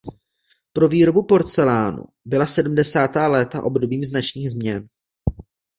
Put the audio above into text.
Pro výrobu porcelánu byla sedmdesátá léta obdobím značných změn.